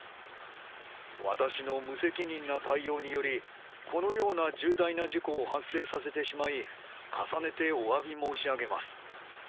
私の無責任な対応によりこのような重大な事故を発生させてしまい重ねてお詫び申し上げます。